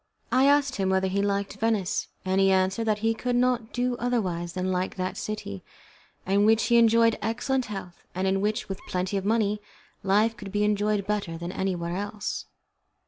I asked him whether he liked Venice, and he answered that he could not do otherwise than like that city, in which he enjoyed excellent health, and in which, with plenty of money, life could be enjoyed better than anywhere else.